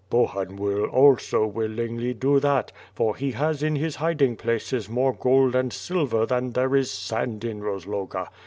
Bohun will also willingly do that, for he has in his hiding places more gold and silver than there is sand in Rozloga.